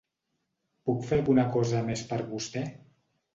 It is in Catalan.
Puc fer alguna cosa més per vostè?